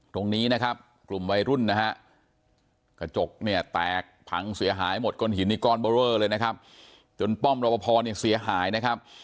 ตรงนี้นะครับกลุ่มวัยรุ่นนะฮะกระจกเนี่ยแตกพังเสียหายหมดก้นหินนี่ก้อนเบอร์เรอเลยนะครับจนป้อมรอปภเนี่ยเสียหายนะครับ